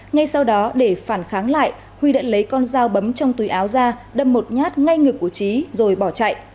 ngay sau đó để phản kháng lại huy đã lấy con dao bấm trong túi áo ra đâm một nhát ngay ngực của trí rồi bỏ chạy